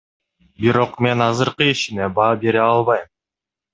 Бирок мен азыркы ишине баа бере албайм.